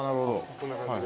こんな感じで。